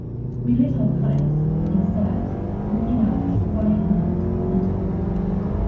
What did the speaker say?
We lit our pipes, and sat, looking out on the quiet night, and talked.